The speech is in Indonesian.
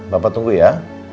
papa tunggu ya